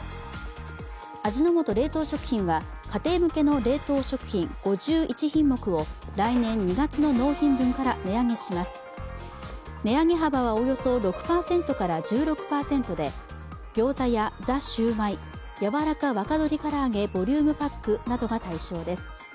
味の素冷凍食品は家庭向けの冷凍食品５１品目を来年２月の納品分から値上げします値上げ幅はおよそ６％から１６％でギョーザやザ★シュウマイやわらか若鶏から揚げボリュームパックなどが対象です。